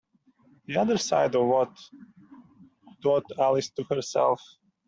The other side of what?’ thought Alice to herself.